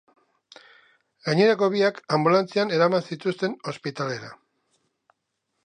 Gainerako biak anbulantzian eraman zituzten ospitalera.